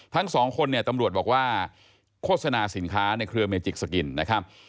ทั้งสองคนเนี่ยตำรวจบอกว่าโฆษณาสินค้าในเครือเมจิกสกินนะครับ